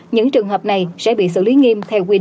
những trường hợp này sẽ bị xử lý nghiêm theo quy định